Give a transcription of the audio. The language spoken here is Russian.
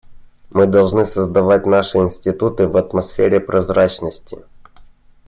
Мы должны создавать наши институты в атмосфере прозрачности.